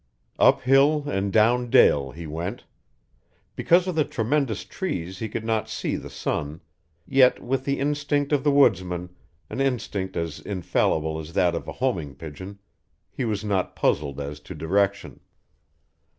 Up hill and down dale he went. Because of the tremendous trees he could not see the sun; yet with the instinct of the woodsman, an instinct as infallible as that of a homing pigeon, he was not puzzled as to direction.